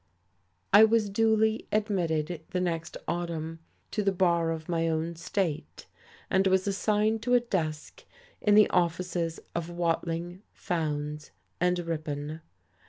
I was duly admitted, the next autumn, to the bar of my own state, and was assigned to a desk in the offices of Watling, Fowndes and Ripon.